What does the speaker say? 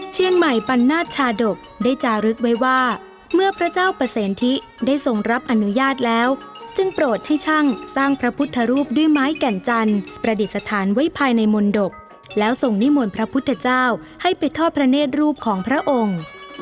เชียงใหม่ปันนาชชาดกได้จารึกไว้ว่าเมื่อพระเจ้าประเสนทิได้ทรงรับอนุญาตแล้วจึงโปรดให้ช่างสร้างพระพุทธรูปด้วยไม้แก่นจันทร์ประดิษฐานไว้ภายในมนตกแล้วทรงนิมนต์พระพุทธเจ้าให้ไปทอดพระเนธรูปของพระองค์